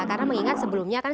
karena mengingat sebelumnya kan